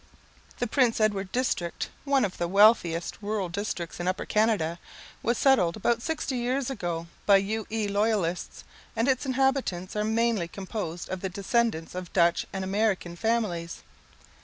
The Prince Edward district, one of the wealthiest rural districts in Upper Canada, was settled about sixty years ago by U.E. loyalists; and its inhabitants are mainly composed of the descendants of Dutch and American families.